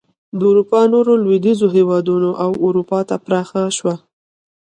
د اروپا نورو لوېدیځو هېوادونو او امریکا ته پراخه شوه.